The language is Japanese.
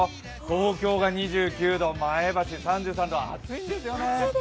東京が２９度、前橋３３度、暑いんですよね。